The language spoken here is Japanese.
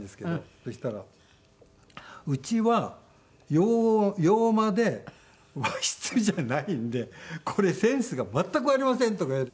そしたらうちは洋間で和室じゃないんでこれセンスが全くありませんとか。